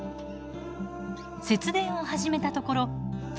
節電を始めたところ月